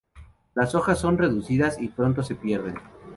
Las hojas son reducidas y pronto se pierden.